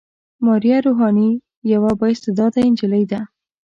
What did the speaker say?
ماريه روحاني يوه با استعداده نجلۍ ده.